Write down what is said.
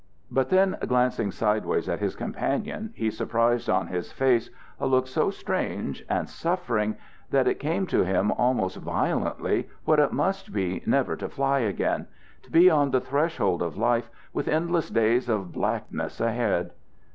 But then, glancing sideways at his companion, he surprised on his face a look so strange and suffering that it came to him almost violently what it must be never to fly again; to be on the threshold of life, with endless days of blackness ahead.